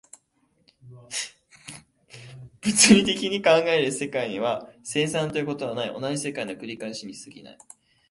物理的に考えられる世界には、生産ということはない、同じ世界の繰り返しに過ぎない。